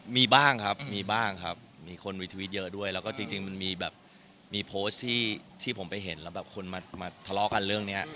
มีบ้างครับมีบ้างครับมีคนวิทวิตเยอะด้วยแล้วก็จริงมันมีแบบมีโพสต์ที่ผมไปเห็นแล้วแบบคนมาทะเลาะกันเรื่องนี้